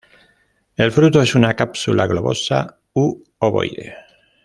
El fruto es una cápsula globosa u ovoide.